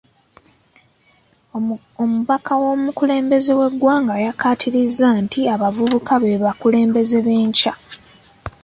Omubaka w'omukulembeze w'eggwanga yakkaatiriza nti abavubuka be bakulembeze b'enkya .